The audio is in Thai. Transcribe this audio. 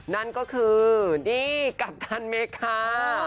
นั่นก็คือนี่กัปตันเมคา